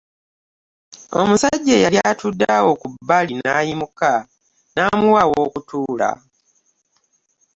Omusajja eyali atudde awo wabbali n'ayimuka n'amuwa ew'okutuula.